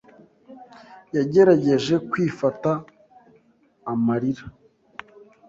yagerageje kwifata amarira.